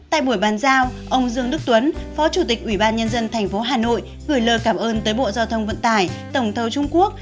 tại buổi bàn giao ông dương đức tuấn phó chủ tịch ủy ban nhân dân thành phố hà nội gửi lời cảm ơn tới bộ giao thông vận tải tổng thầu trung quốc